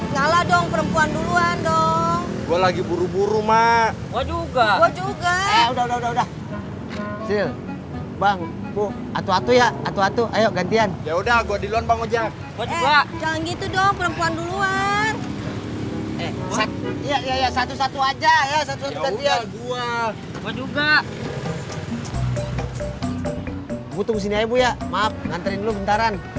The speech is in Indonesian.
sampai jumpa di video selanjutnya